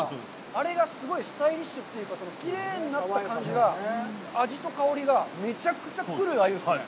あれがすごいスタイリッシュというか、きれいになった感じが、味と香りがめちゃくちゃ来るアユですね。